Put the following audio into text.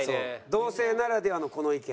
同性ならではのこの意見。